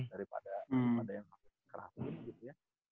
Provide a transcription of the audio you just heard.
daripada yang keras gitu ya